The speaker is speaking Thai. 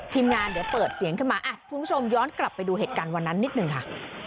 ทีมงานเดี๋ยวเปิดเสียงขึ้นมาคุณผู้ชมย้อนกลับไปดูเหตุการณ์วันนั้นนิดหนึ่งค่ะ